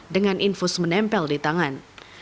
dengan infus menempel di tangan